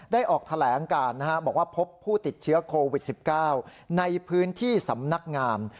ออกแถลงการบอกว่าพบผู้ติดเชื้อโควิด๑๙ในพื้นที่สำนักงาม